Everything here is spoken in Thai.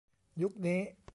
ยุคนี้